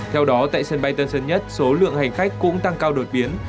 theo đó tại sân bay tân sơn nhất số lượng hành khách cũng tăng cao đột biến